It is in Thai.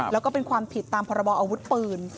แล้วก็เป็นความผิดตามพรบออาวุธปืน